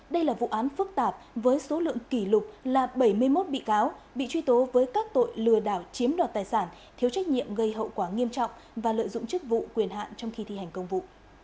đây là vụ án phức tạp với số lượng kỷ lục là bảy mươi một bị cáo bị truy tố với các tội lừa đảo chiếm đoạt tài sản thiếu trách nhiệm gây hậu quả nghiêm trọng và lợi dụng chức vụ quyền hạn trong khi thi hành công vụ